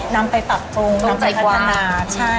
นำไปปรับปรุงนำไปพัฒนา